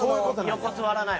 横座らない。